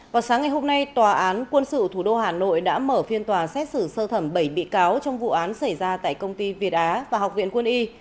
vào sáng ngày hôm nay tòa án quân sự thủ đô hà nội đã mở phiên tòa xét xử sơ thẩm bảy bị cáo trong vụ án xảy ra tại công ty việt á và học viện quân y